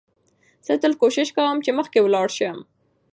زه تل کوښښ کوم، چي مخکي ولاړ سم.